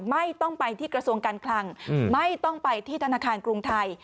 ไม่ต้องไปที่กระทรวงการคลังไม่ต้องไปที่ธนาคารกรุงไทย